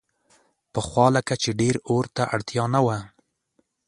پخوا لکه چې ډېر اور ته اړتیا نه وه.